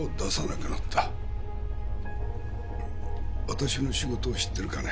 私の仕事を知っているかね？